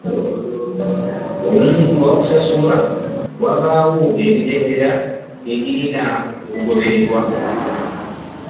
Omuntu okusasulwa wabaawo emitendera egirina okugoberererwa